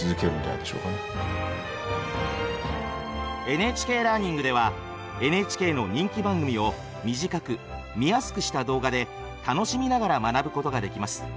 「ＮＨＫラーニング」ではＮＨＫの人気番組を短く見やすくした動画で楽しみながら学ぶことができます。